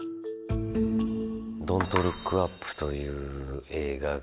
「ドント・ルック・アップ」という映画が。